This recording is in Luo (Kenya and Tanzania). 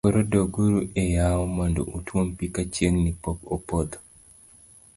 koro dog uru e yawo mondo utuom pi ka chieng' pok opodho